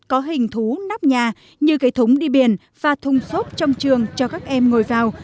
có hình thú nắp nhà như cái thúng đi biển và thung xốp trong trường cho các em ngồi vào